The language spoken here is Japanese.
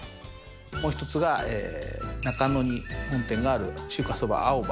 もう一つが中野に本店がある中華そば青葉。